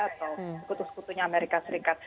atau kutus kutusnya amerika serikat